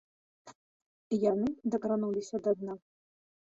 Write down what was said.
Яны дакрануліся да дна.